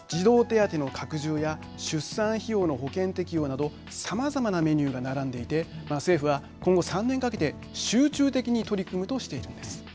例えば児童手当の拡充や出産費用の保険適用などさまざまなメニューが並んでいて政府は今後３年かけて集中的に取り組むとしているんです。